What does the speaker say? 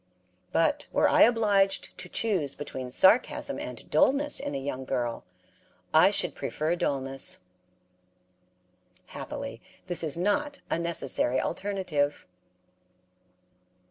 But were I obliged to choose between sarcasm and dullness in a young girl, I should prefer dullness. Happily, this is not a necessary alternative.